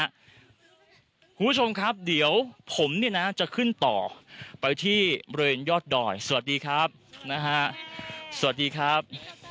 คุณผู้ชมครับเดี๋ยวผมเนี่ยนะจะขึ้นต่อไปที่บริเวณยอดดอยสวัสดีครับนะฮะสวัสดีครับ